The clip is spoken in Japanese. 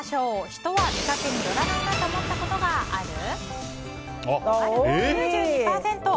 人は見かけによらないなと思ったことがある？